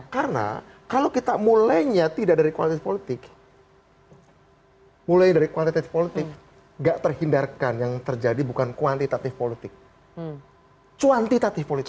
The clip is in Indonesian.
karena kalau kita mulainya tidak dari kualitatif politik mulainya dari kualitatif politik gak terhindarkan yang terjadi bukan kuantitatif politik cuantitatif politik